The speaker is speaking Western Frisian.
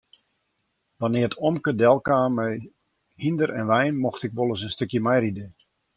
Wannear't omke delkaam mei hynder en wein mocht ik wolris in stikje meiride.